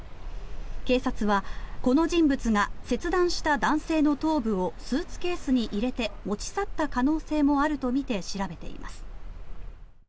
警察はこの人物が切断した男性の頭部をスーツケースに入れて持ち去った可能性もあるとみて調べています。